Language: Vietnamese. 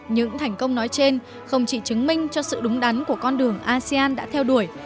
những thành công nói trên không chỉ chứng minh cho sự đúng đắn của con đường asean đã theo đuổi